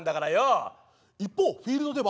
「一方フィールドでは」。